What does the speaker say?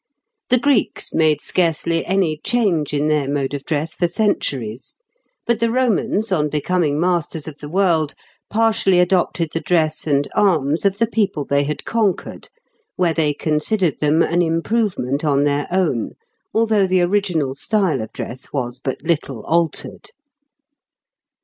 The Greeks made scarcely any change in their mode of dress for centuries; but the Romans, on becoming masters of the world, partially adopted the dress and arms of the people they had conquered, where they considered them an improvement on their own, although the original style of dress was but little altered (Figs. 400 and 401).